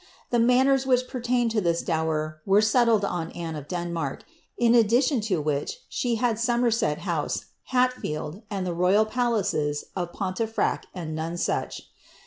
The manors which petiainnt ii> this dower were settled on Anne of Denmark, in aildilion to whieh she had Somerset House, IlalGcId, and the royal palaces of Poolcfrvt and Nonsuch.